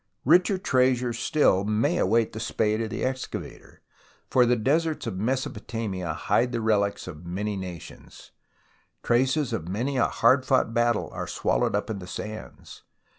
Richer treasures still may await the spade of the excavator, for the deserts of Mesopotamia hide the relics of many nations ; traces of many a hard fought battle are swallowed up in the sands.